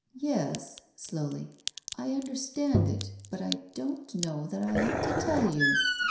"Yes," slowly, "I understand it, but I don't know that I ought to tell you."